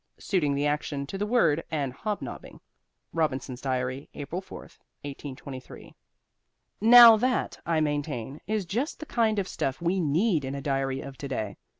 suiting the action to the word, and hobnobbing. ROBINSON'S DIARY, April 4, 1823. Now that, I maintain, is just the kind of stuff we need in a diary of today.